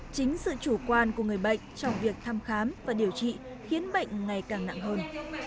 chính sự chủ quan của người bệnh trong việc thăm khám và điều trị khiến bệnh ngày càng nặng hơn